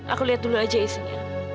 aku lihat dulu aja isinya